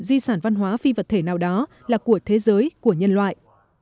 di sản văn hóa phi vật thể nào đó là của thế giới của nhân loại